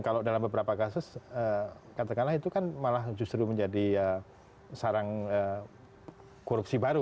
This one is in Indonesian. kalau dalam beberapa kasus katakanlah itu kan malah justru menjadi sarang korupsi baru